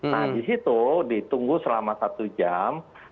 nah di situ ditunggu selama satu jam